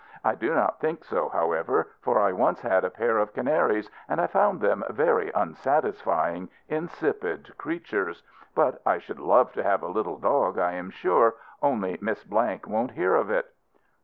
"I do not think so, however, for I once had a pair of canaries, and I found them very unsatisfying, insipid creatures. But I should love to have a little dog I am sure, only Miss Blank won't hear of it."